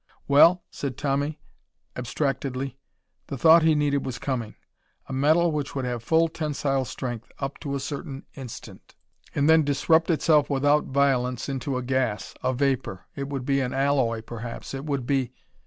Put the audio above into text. "Well?" said Tommy abstractedly. The thought he needed was coming. A metal which would have full tensile strength up to a certain instant, and then disrupt itself without violence into a gas, a vapor.... It would be an alloy, perhaps. It would be....